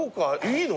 いいの？